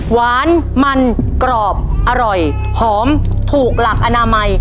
หวานมันกรอบอร่อยหอมถูกหลักอนามัย